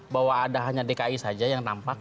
bahwa ada hanya dki saja yang nampak